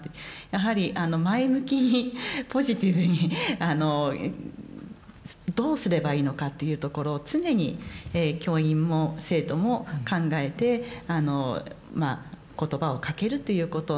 やはり前向きにポジティブにどうすればいいのかっていうところを常に教員も生徒も考えて言葉をかけるということ。